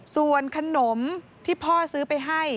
ส่วนขนมที่พ่อซื้อไปให้